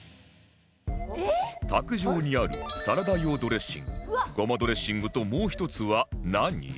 卓上にあるサラダ用ドレッシングゴマドレッシングともう１つは何？